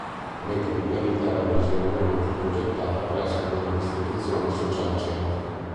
La menta piperita era originariamente progettata per essere una distribuzione social-centrica.